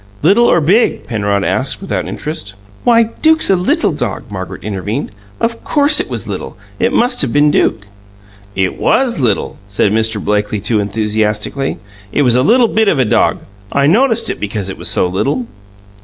"Little or big?" Penrod asked, without interest. "Why, Duke's a little dog!" Margaret intervened. "Of COURSE, if it was little, it must have been Duke." "It WAS little," said Mr. Blakely too enthusiastically. "It was a little bit of a dog. I noticed it because it was so little."